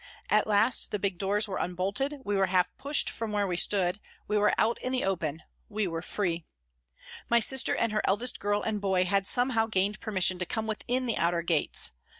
FROM THE CELLS 197 last the big doors were unbolted, we were half pushed from where we stood, we were out in the open we were free. My sister and her eldest girl and boy had somehow gained permission to come within the outer gates.